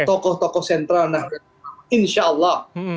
tokoh tokoh sentral nahdlatul ulama insya allah